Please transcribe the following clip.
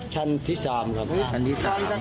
ชั้นที่๓ครับชั้นที่๓